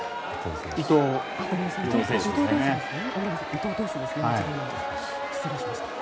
伊藤投手ですね。